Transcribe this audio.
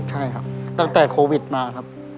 ใช่ครับตั้งแต่โควิดมาครับ